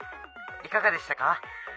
いかがでしたか？